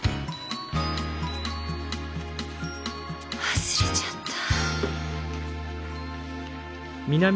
忘れちゃった。